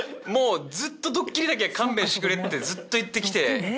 もうずっとドッキリだけは勘弁してくれってずっと言ってきて。